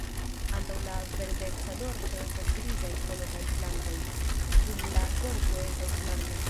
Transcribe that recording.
Antaŭ la verdeca dorso estas grizaj kolo kaj flankoj, dum la gorĝo estas blanka.